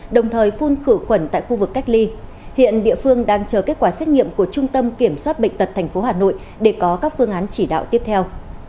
đồng thời phun khử khuẩn tại khu vực cách ly hiện địa phương đang chờ kết quả xét nghiệm của trung tâm kiểm soát bệnh tật tp hà nội để có các phương án chỉ đạo tiếp theo